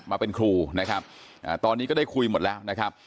มาเป็นครูนะครับตอนนี้ก็ได้คุยหมดแล้วนะครับ